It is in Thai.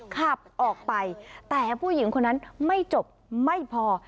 ขับออกไปแต่ผู้หญิงคนนั้นไม่จบไม่พอ